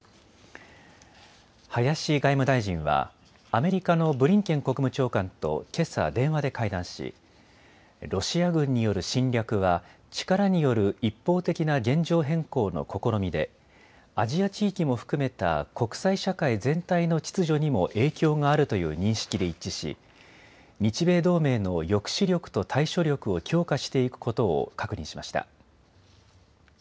林外務大臣はアメリカのブリンケン国務長官とけさ電話で会談し、ロシア軍による侵略が力による一方的な現状変更の試みでアジア地域も含めた国際社会全体の秩序にも影響があるという認識で一致し日米同盟の抑止力と対処力を強化していくことを確認しました。